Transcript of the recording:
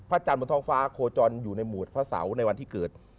จันทร์บนท้องฟ้าโคจรอยู่ในหมวดพระเสาในวันที่เกิด